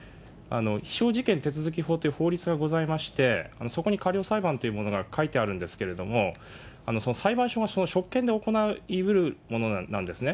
非訟事件手続法という法律がございまして、そこに過料裁判というものが書いてあるんですけれども、その裁判所が職権で行いうるものなんですね。